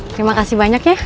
terima kasih banyak ya